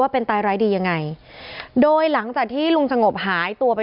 เป็นตายร้ายดียังไงโดยหลังจากที่ลุงสงบหายตัวไป